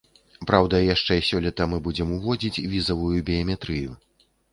Праўда, яшчэ сёлета мы будзем уводзіць візавую біяметрыю.